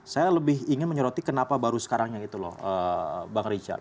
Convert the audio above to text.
saya lebih ingin menyoroti kenapa baru sekarang yang itu loh bang richard